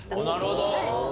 なるほど！